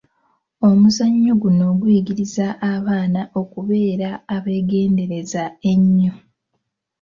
Omuzannyo guno guyigiriza abaana okubeera abeegendereza ennyo.